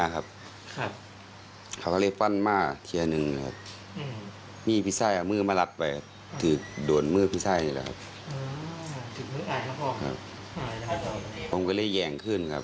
คำตอบฟัง